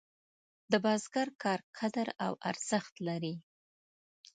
د بزګر کار قدر او ارزښت لري.